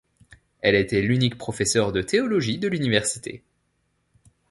Elle était l'unique professeur de théologie de l'université.